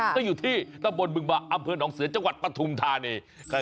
ก็อยู่ที่ตำบลบึงบะอำเภอหนองเสือจังหวัดปฐุมธานี